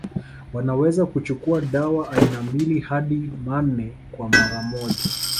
Wanaweza kuchukua dawa aina mbili hadi manne kwa mara moja